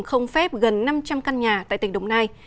không phép gần năm trăm linh căn nhà tại tỉnh đồng nai